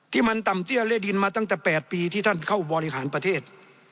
ที่มันต่ำเตี้ยเล่ดินมาตั้งแต่๘ปีที่ท่านเข้าบริหารประเทศ